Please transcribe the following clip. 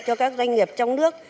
cho các doanh nghiệp trong nước